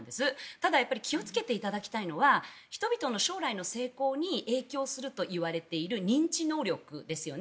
ただ気をつけていただきたいのは人々の将来の成功に影響するといわれている認知能力ですよね。